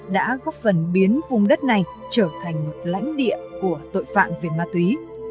đã góp phần biến vùng đất này trở thành một lãnh địa của tội phạm về ma túy